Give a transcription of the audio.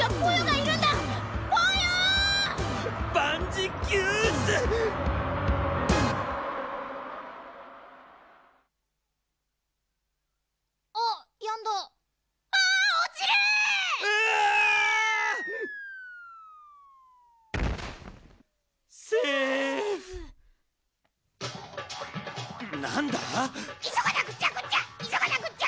いそがなくっちゃくちゃいそがなくっちゃ！